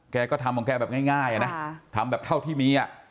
แกก็ทำของแกแบบง่ายนะทำแบบเท่าที่มี